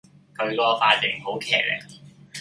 佢個髮型好騎咧